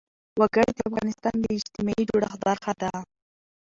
وګړي د افغانستان د اجتماعي جوړښت برخه ده.